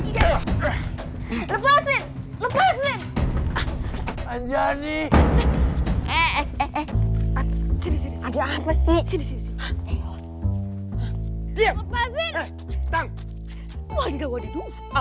jahat jahat lepas lepas lepas anjani eek apa sisi